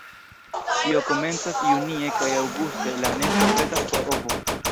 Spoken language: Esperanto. Tio komencas junie kaj aŭguste la nesto pretas por ovo.